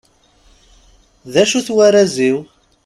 D acu-t warraz-iw?